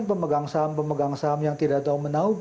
pemegang saham pemegang saham yang tidak tahu menau